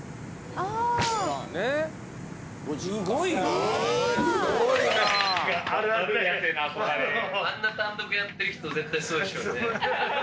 あんな単独やってる人絶対そうでしょうね。